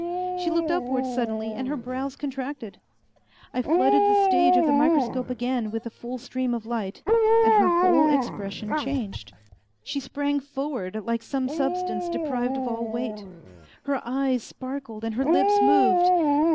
She looked upward suddenly, and her brows contracted. I flooded the stage of the microscope again with a full stream of light, and her whole expression changed. She sprang forward like some some substance deprived of all weight. Her eyes sparkled and her lips moved.